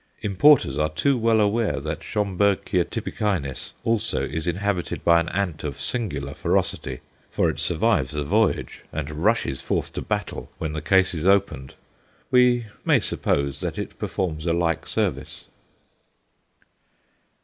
Importers are too well aware that Schomburgkia tibicinis also is inhabited by an ant of singular ferocity, for it survives the voyage, and rushes forth to battle when the case is opened. We may suppose that it performs a like service.